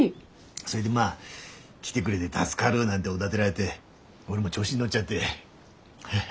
それでまあ来てくれで助かるなんておだでられで俺も調子に乗っちゃって。